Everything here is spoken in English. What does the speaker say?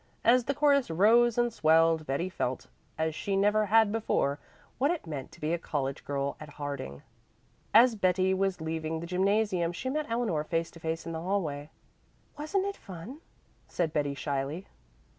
As the chorus rose and swelled Betty felt, as she never had before, what it meant to be a college girl at Harding. As Betty was leaving the gymnasium she met Eleanor face to face in the hallway. "Wasn't it fun?" said Betty, shyly.